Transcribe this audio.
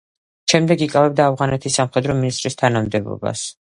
შემდეგ იკავებდა ავღანეთის სამხედრო მინისტრის თანამდებობას.